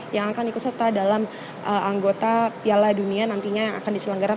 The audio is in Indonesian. yang akan ikut serta dalam anggota piala dunia nantinya yang akan diselenggarakan